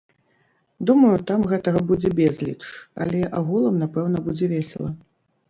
Думаю, там гэтага будзе безліч, але агулам, напэўна, будзе весела.